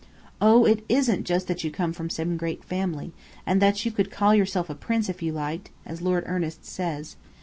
Oh, it isn't just that you come from some great family, and that you could call yourself a prince if you liked, as Lord Ernest says.